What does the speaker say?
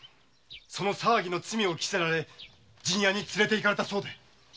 その騒ぎの罪を着せられ陣屋に連れて行かれたそうで。